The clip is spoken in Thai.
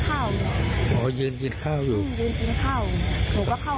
เข้ามาจับข้าวยืนกินข้าวอยู่อ๋อยืนกินข้าวอยู่ยืนกินข้าว